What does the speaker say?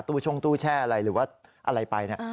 ตู้ช่วงตู้แช่อะไรหรือว่าอะไรไปเนี่ย